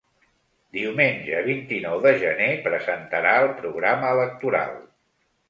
Diumenge, vint-i-nou de gener, presentarà el programa electoral.